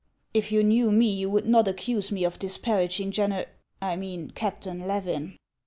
" If you knew me, you would not accuse me of dis paraging Gener — I mean, Captain Levin."